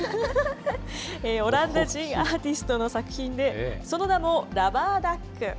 オランダ人アーティストの作品で、その名もラバー・ダック。